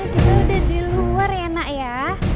kita udah di luar ya nak ya